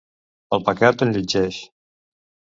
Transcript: El pecat enlletgeix.